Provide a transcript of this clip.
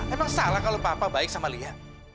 emang salah kalau papa baik sama lia